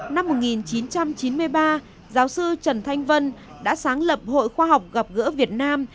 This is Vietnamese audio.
năm một nghìn chín trăm chín mươi ba giáo sư trần thanh vân đã sáng lập hội khoa học gặp gỡ việt nam